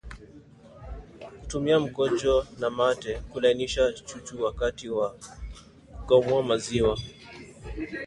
Kutumia mkojo na mate kulainisha chuchu wakati wa kukamua maziwa